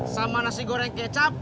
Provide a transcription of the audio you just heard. sama nasi goreng kecap